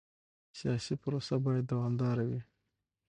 سیاسي پروسه باید دوامداره وي